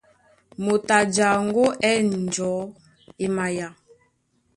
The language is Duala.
Moto a jaŋgó á ɛ̂n njɔ̌ e maya.